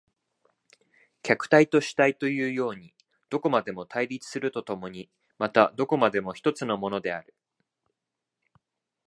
客体と主体というようにどこまでも対立すると共にまたどこまでも一つのものである。